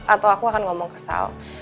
atau aku akan ngomong kesal